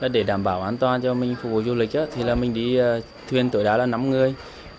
để đảm bảo an toàn cho mình phục vụ du lịch mình đi thuyền tối đá là năm người